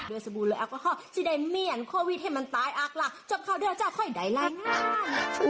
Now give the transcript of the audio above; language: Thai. โดยสบูรณ์เลยอักวฮ่าจะได้เหมียนโควิดให้มันตายอักลากจบข้าวเด้อจากค่อยใดลายงาน